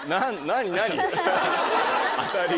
何？